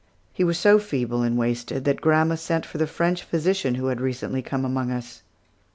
He was so feeble and wasted that grandma sent for the French physician who had recently come among us.